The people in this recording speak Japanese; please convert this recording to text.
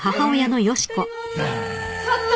ちょっと！